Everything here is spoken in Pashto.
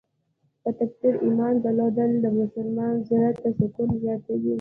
په تقدیر ایمان درلودل د مسلمان زړه ته سکون زیاتوي.